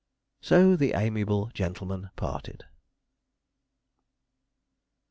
So the amiable gentlemen parted.